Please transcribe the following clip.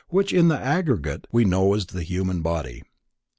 which in the aggregate we know as the human body.